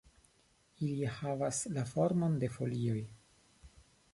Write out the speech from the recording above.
Ili havas la formon de folioj.